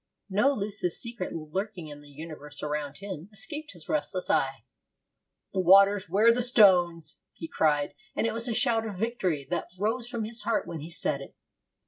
No elusive secret, lurking in the universe around him, escaped his restless eye. 'The waters wear the stones!' he cried, and it was a shout of victory that rose from his heart when he said it.